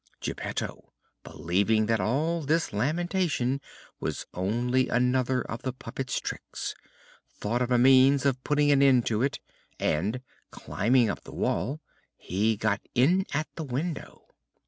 Geppetto, believing that all this lamentation was only another of the puppet's tricks, thought of a means of putting an end to it, and, climbing up the wall, he got in at the window.